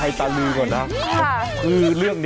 โอ๊ยโอ๊ยโอ๊ยโอ๊ยโอ๊ยโอ๊ยโอ๊ยโอ๊ยโอ๊ย